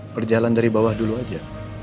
berjalan dari bawah dulu aja